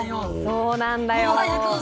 そうなんだよ。